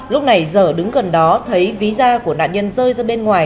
lúc này dở đứng gần đó thấy ví da của nạn nhân rơi ra bên ngoài